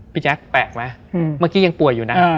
พี่แจ๊กแปลกไหมอืมเมื่อกี้ยังป่วยอยู่น่ะอ่า